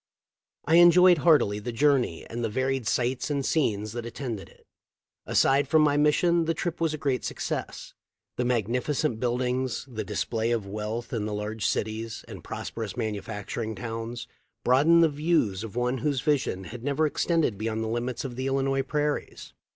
I enjoyed heartily the journey and the varied sights and scenes that attended it. Aside from my mission, the trip was a great success. The magnificent buildings, the display of wealth in the large cities and prosperous manufacturing towns, broadened the views of one whose vision had never extended beyond the limits of the Illinois prairies.